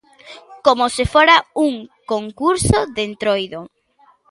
Como se fora un concurso de Entroido.